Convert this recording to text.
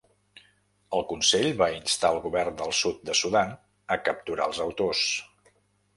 El Consell va instar al govern del sud de Sudan a capturar als autors.